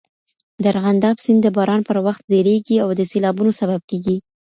د ارغنداب سیند د باران پر وخت ډېریږي او د سیلابونو سبب کېږي.